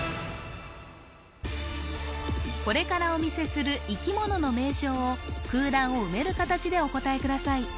これからお見せする生き物の名称を空欄を埋める形でお答えください